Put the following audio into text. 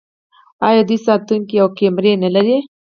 آیا دوی ساتونکي او کمرې نلري؟